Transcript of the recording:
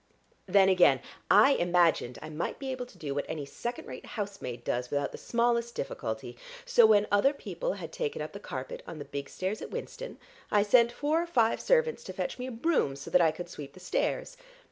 Then again I imagined I might be able to do what any second rate housemaid does without the smallest difficulty, so when other people had taken up the carpet on the big stairs at Winston, I sent four or five servants to fetch me a broom, so that I could sweep the stairs.